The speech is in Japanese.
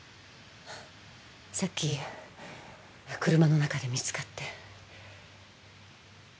さっき車の中で見つかって。